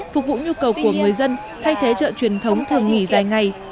phục vụ nhu cầu của người dân thay thế chợ truyền thống thường nghỉ dài ngày